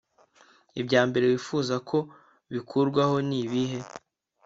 Ibya mbere wifuza ko bikurwaho ni ibihe